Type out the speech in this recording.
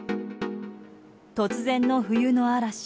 突然の冬の嵐。